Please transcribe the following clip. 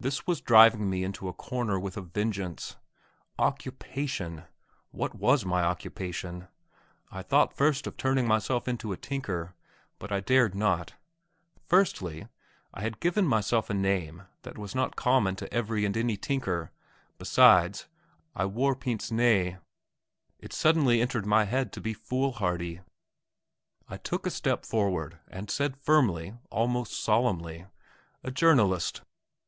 This was driving me into a corner with a vengeance. Occupation! what was my occupation? I thought first of turning myself into a tinker but I dared not; firstly, I had given myself a name that was not common to every and any tinker besides, I wore pince nez. It suddenly entered my head to be foolhardy. I took a step forward and said firmly, almost solemnly: "A journalist."